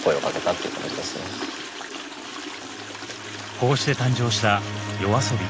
こうして誕生したＹＯＡＳＯＢＩ。